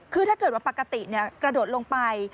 คือถ้าเกิดว่าปกติกระโดดลงไป